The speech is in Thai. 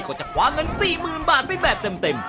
ก็จะคว้าเงิน๔๐๐๐บาทไปแบบเต็ม